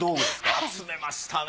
集めましたね！